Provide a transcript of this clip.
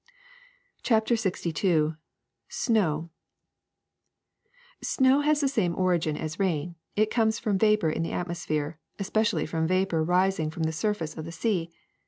^' CHAPTER LXII ii s SNOW NOW has the same origin as rain : it comes from vapor in the atmosphere, especially from vapor rising from the surface of the sea.